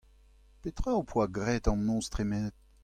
Petra ho poa graet an noz tremenet ?